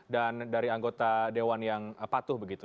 dan dari anggota dewan yang patuh begitu